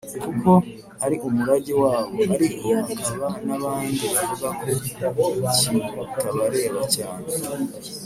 kuko ari umurage wabo, ariko hakaba n’abandi bavuga ko kitabareba cyane.